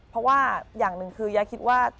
เพราะว่าอย่างหนึ่งคือยาคิดว่า